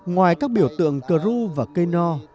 ngoài các biểu tượng cờ ru và cây no